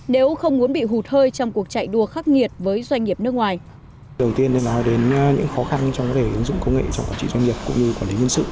nếu không muốn bị hụt hơi trong cuộc chạy đua khắc nghiệt với doanh nghiệp nước ngoài